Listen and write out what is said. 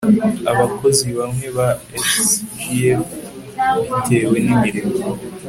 Abakozi bamwe ba SGF bitewe n imirimo